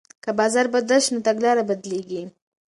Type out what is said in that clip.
که بازار بدل شي نو تګلاره بدلیږي.